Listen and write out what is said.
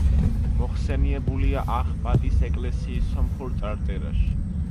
მოხსენიებულია ახპატის ეკლესიის სომხურ წარწერაში.